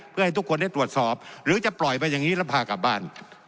เพื่อให้ทุกคนได้ตรวจสอบหรือจะปล่อยไปอย่างนี้แล้วพากลับบ้าน